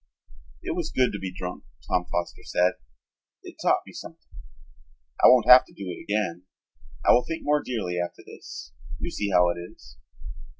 "It was good to be drunk," Tom Foster said. "It taught me something. I won't have to do it again. I will think more dearly after this. You see how it is."